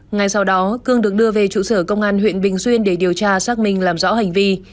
ngay sau đó cương được đưa về trụ sở công an huyện bình xuyên để điều tra xác minh làm rõ hành vi